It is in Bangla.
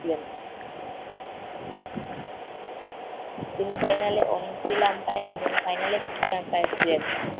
সেমি-ফাইনালে অন-ফিল্ড আম্পায়ার ও ফাইনালে তৃতীয় আম্পায়ার ছিলেন।